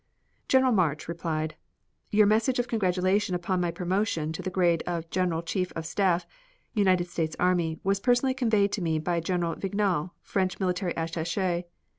General March replied: Your message of congratulation upon my promotion to the grade of General Chief of Staff, United States army, was personally conveyed to me by General Vignal, French Military Attache.